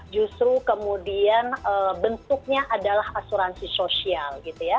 justru kemudian bentuknya adalah asuransi sosial gitu ya